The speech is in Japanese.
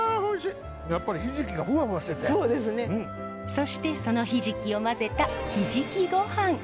そしてそのひじきを混ぜたヒジキごはん。